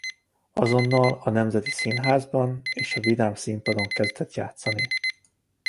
Azonnal a Nemzeti Színházban és a Vidám Színpadon kezdett játszani.